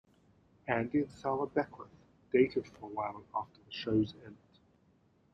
Andy and Sarah Beckworth dated for a while after the show's end.